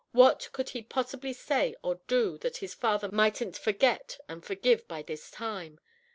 What could he possibly say or do that his father might n't forget and forgive by this time?